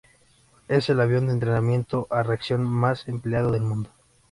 Es el avión de entrenamiento a reacción más empleado del mundo.